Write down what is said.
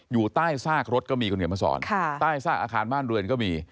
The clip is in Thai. อยู่ใต้ซากรถก็มีคุณเขียนมาสอนใต้ซากอาคารบ้านเรือนก็มี